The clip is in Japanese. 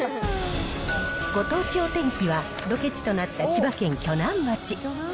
ご当地お天気は、ロケ地となった千葉県鋸南町。